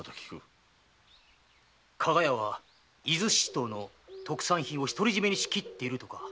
加賀屋は伊豆七島の特産品を独り占めに仕切っているとか。